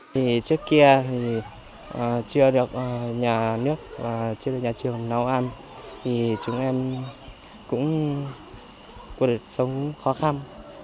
trước kia thì chưa được nhà nước chưa được nhà trường nấu ăn thì chúng em cũng cuộc đời sống khó khăn